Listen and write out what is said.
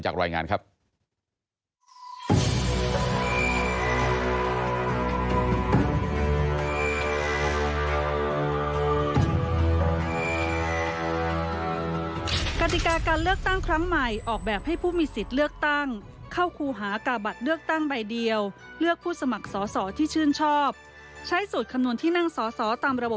จอบประเด็นจากรายงานครับ